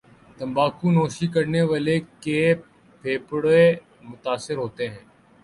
تمباکو نوشی کرنے والے کے پھیپھڑے متاثر ہوتے ہیں